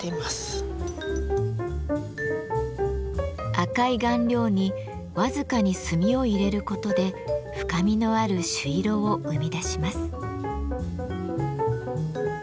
赤い顔料に僅かに墨を入れることで深みのある朱色を生み出します。